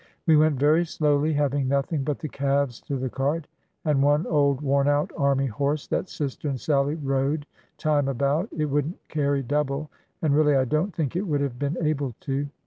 We went very slowly, having nothing but the calves to the cart, and one old worn out army horse that sister and Sallie rode time about (it wouldn't carry double, and, really, I don't think it would have been able to).